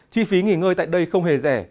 chi phí nghỉ ngơi tại đây không hề rẻ